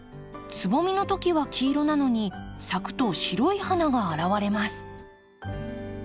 つぼみの時は黄色なのに咲くと白い花が現れます。